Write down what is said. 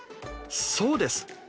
そうです。